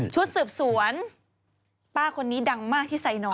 ชุดสืบสวนป้าคนนี้ดังมากที่ไซน้อย